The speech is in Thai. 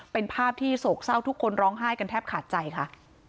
เป็นภาพที่โศกเศร้าทุกคนร้องไห้กันแทบขาดใจค่ะ